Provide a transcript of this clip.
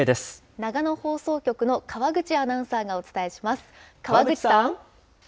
長野放送局の川口アナウンサーがお伝えします。